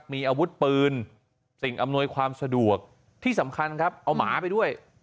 มีอาวุธปืนสิ่งอำนวยความสะดวกที่สำคัญครับเอาหมาไปด้วย